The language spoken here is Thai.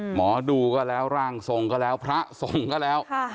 หมอดูก็แล้วร่างทรงก็แล้วพระทรงก็แล้ว